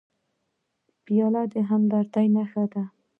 پیاله د همدردۍ نښه ده.